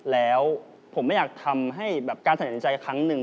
แล้วผมไม่อยากทำให้แบบการตัดสินใจครั้งหนึ่ง